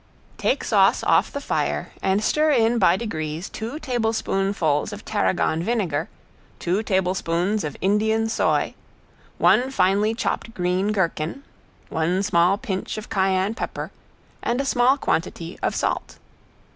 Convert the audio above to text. Take sauce off the fire and stir in by degrees two tablespoonfuls of tarragon vinegar, two tablespoons of Indian soy, one finely chopped green gherkin, one small pinch of cayenne pepper, and a small quantity of salt.